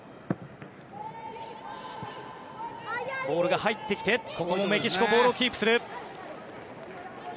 ボールが入ってきてメキシコ、ボールをキープする。